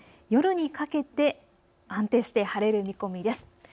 夜にかけて安定して晴れる見込みです。